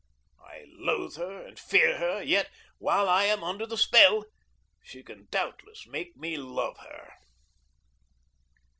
I loathe her and fear her, yet, while I am under the spell, she can doubtless make me love her.